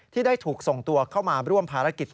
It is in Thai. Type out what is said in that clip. ที่ได้ถูกส่งตัวเข้ามาร่วมภารกิจ